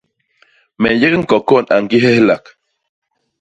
Me nyék ñkokon a ñgi héhlak.